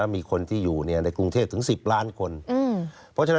มีคนที่อยู่ในกรุงเทพ